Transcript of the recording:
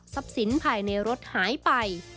สินภายในรถหายไป